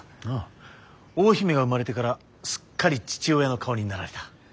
ああ大姫が生まれてからすっかり父親の顔になられた。